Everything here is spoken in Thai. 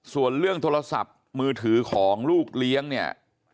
ส่วนเรื่องโทรศัพท์มือถือของลูกเลี้ยงเนี่ย